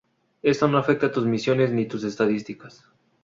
Esto no afecta tus misiones ni tus estadísticas.